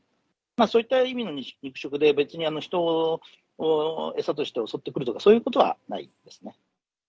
そういった意味の肉食で、別に人を餌として襲ってくるとかそういうことはないですね。